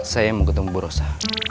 saya mau ketemu bu rosa